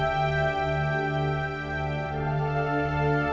aku mau ke sekolah